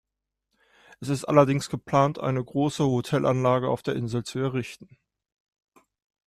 Es ist allerdings geplant, eine große Hotelanlage auf der Insel zu errichten.